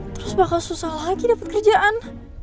terus bakal susah lagi dapat kerjaan